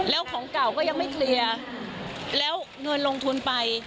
แล้วของเก่าก็ยังไม่เคลียร์แล้วเงินลงทุนไป